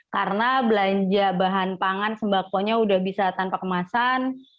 karena belanja bahan pangan sembakonya sudah bisa tanpa kemasan